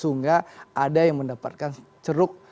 sehingga ada yang mendapatkan ceruk